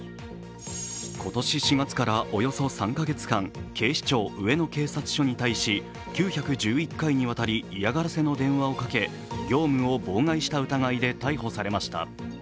今年４月からおよそ３カ月間、警視庁上野警察署に対し９１１回にわたり嫌がらせの電話をかけ業務を妨害した疑いで逮捕されました。